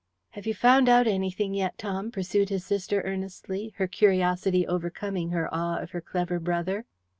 "Have you found out anything yet, Tom?" pursued his sister earnestly, her curiosity overcoming her awe of her clever brother.